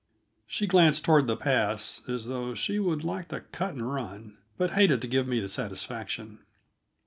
She glanced toward the pass, as though she would like to cut and run, but hated to give me the satisfaction.